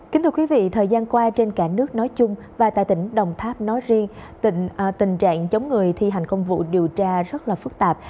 kính thưa quý vị thời gian qua trên cả nước nói chung và tại tỉnh đồng tháp nói riêng tình trạng chống người thi hành công vụ điều tra rất là phức tạp